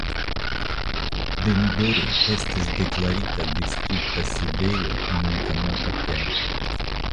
Dindori estis deklarita distrikta sidejo en nekonata tempo.